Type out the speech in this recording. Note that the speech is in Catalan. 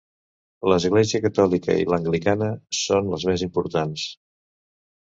L'església catòlica i l'anglicana són les més importants.